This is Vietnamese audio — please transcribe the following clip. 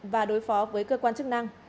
và đối phó với cơ quan chức năng